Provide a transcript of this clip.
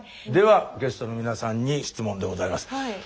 ではゲストの皆さんに質問でございます。